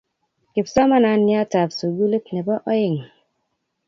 kipsomananiatab sukulit ne bo oeng